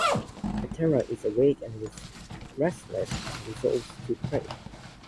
Petra is awake and restless and resolves to pray.